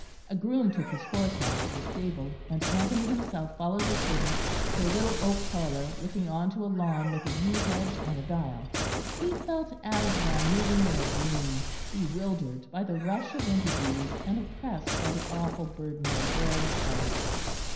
A groom took his horse off to the stable, and Anthony himself followed the servant to a little oak parlour looking on to a lawn with a yew hedge and a dial. He felt as one moving in a dream, bewildered by the rush of interviews, and oppressed by the awful burden that he bore at his heart.